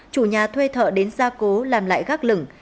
chủ nhà thuê thợ đến gia cố làm lại gác lửng